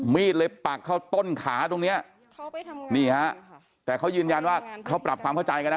มีดเลยปักเข้าต้นขาตรงเนี้ยนี่ฮะแต่เขายืนยันว่าเขาปรับความเข้าใจกันนะ